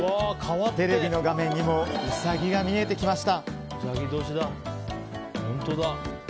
テレビの画面にもウサギが見えてきました。